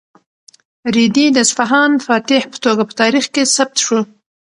رېدي د اصفهان فاتح په توګه په تاریخ کې ثبت شو.